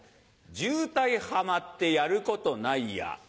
渋滞はまってやることないや。